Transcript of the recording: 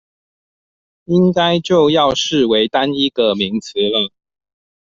應該就要視為單一個名詞了